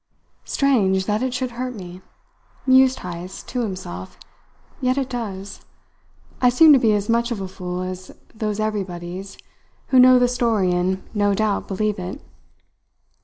"Strange that it should hurt me!" mused Heyst to himself; "yet it does. I seem to be as much of a fool as those everybodies who know the story and no doubt believe it.